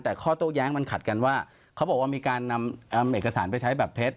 แต่ข้อโต้แย้งมันขัดกันว่าเขาบอกว่ามีการนำเอกสารไปใช้แบบเท็จ